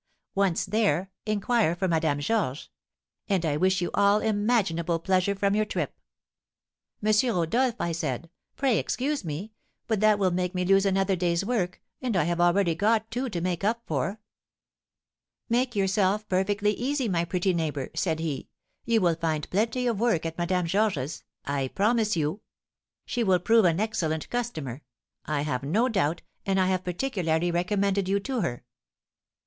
Once there, inquire for Madame Georges; and I wish you all imaginable pleasure from your trip.' 'M. Rodolph,' I said, 'pray excuse me, but that will make me lose another day's work and I have already got two to make up for.' 'Make yourself perfectly easy, my pretty neighbour,' said he, you will find plenty of work at Madame Georges's, I promise you; she will prove an excellent customer, I have no doubt, and I have particularly recommended you to her.'